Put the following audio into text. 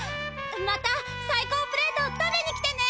またサイコープレートを食べに来てね！